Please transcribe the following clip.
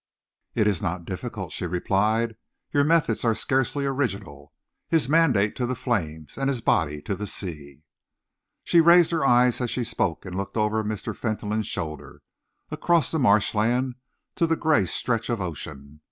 "It is not difficult," she replied. "Your methods are scarcely original. His mandate to the flames, and his body to the sea!" She raised her eyes as she spoke and looked over Mr. Fentolin's shoulder, across the marshland to the grey stretch of ocean.